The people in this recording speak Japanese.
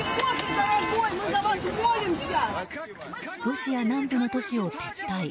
ロシア南部の都市を撤退。